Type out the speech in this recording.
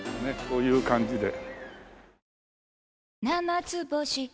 こういう感じで。